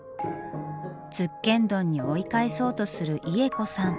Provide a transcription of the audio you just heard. つっけんどんに追い返そうとするイエコさん。